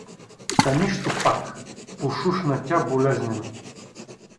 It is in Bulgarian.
— Та нищо пак? — пошушна тя болезнено.